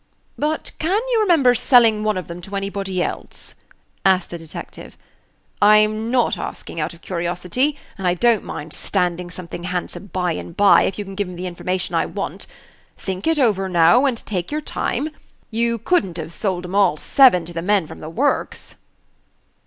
"But can you remember selling one of them to anybody else?" asked the detective. "I'm not asking out of curiosity; and I don't mind standing something handsome by and by, if you can give me the information I Page 184 want. Think it over, now, and take your time. You could n't have sold 'em all seven to the men from the works."